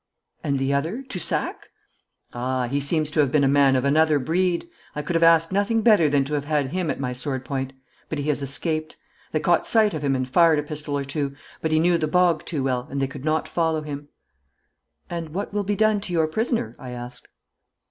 'And the other Toussac?' 'Ah, he seems to have been a man of another breed. I could have asked nothing better than to have had him at my sword point. But he has escaped. They caught sight of him and fired a pistol or two, but he knew the bog too well, and they could not follow him.' 'And what will be done to your prisoner?' I asked.